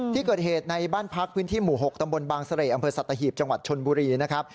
ที่เกิดเหตุในบ้านพักพื้นที่หมู่๖ตำบลบางเสร่อำเภอสัตหีบจังหวัดชนบุรีนะครับ